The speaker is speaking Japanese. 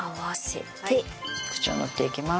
口を縫っていきます。